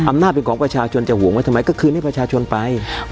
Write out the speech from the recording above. อำนาจเป็นของประชาชนจะห่วงไว้ทำไมก็คืนให้ประชาชนไป